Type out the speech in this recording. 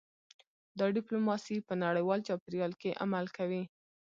دا ډیپلوماسي په نړیوال چاپیریال کې عمل کوي